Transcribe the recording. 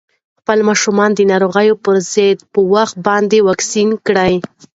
خپل ماشومان د ناروغیو پر ضد په وخت باندې واکسین کړئ.